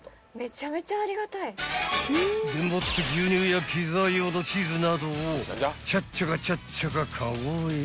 ［でもって牛乳やピザ用のチーズなどをちゃっちゃかちゃっちゃかカゴへ］